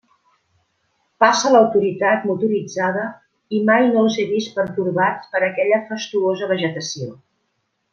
Passa l'autoritat motoritzada i mai no els he vist pertorbats per aquella fastuosa vegetació.